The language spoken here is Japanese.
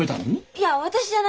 いや私じゃなくて。